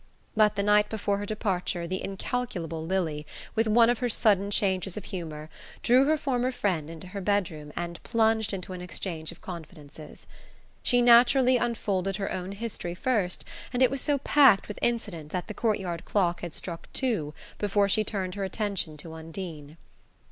But the night before her departure the incalculable Lili, with one of her sudden changes of humour, drew her former friend into her bedroom and plunged into an exchange of confidences. She naturally unfolded her own history first, and it was so packed with incident that the courtyard clock had struck two before she turned her attention to Undine.